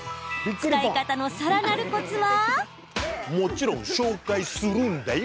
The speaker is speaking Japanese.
使い方のさらなるコツは？